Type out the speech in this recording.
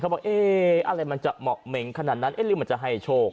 บอกเอ๊ะอะไรมันจะเหมาะเหม็งขนาดนั้นหรือมันจะให้โชค